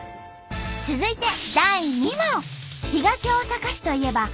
続いて第２問。